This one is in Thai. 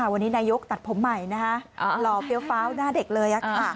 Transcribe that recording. วันนี้นายกตัดผมใหม่หล่อเฟี้ยฟ้าวหน้าเด็กเลย